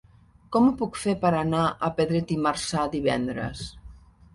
Com ho puc fer per anar a Pedret i Marzà divendres?